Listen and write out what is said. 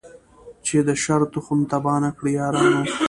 چي د شر تخم تباه نه کړی یارانو